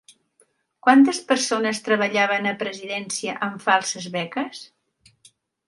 Quantes persones treballaven a Presidència amb 'falses beques'?